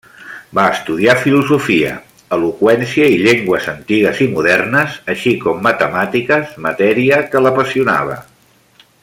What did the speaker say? Va estudiar filosofia, eloqüència i llengües antigues i modernes, així com matemàtiques, matèria que l'apassionava.